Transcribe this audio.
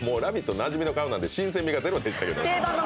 なじみの顔なので、新鮮味がゼロでしたけど。